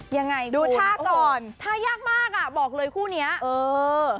ยังไงคุณโอ้โหถ้ายากมากอ่ะบอกเลยคู่นี้เออ